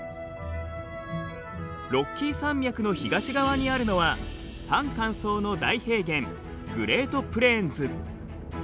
ロッキー山脈の東側にあるのは半乾燥の大平原グレートプレーンズ。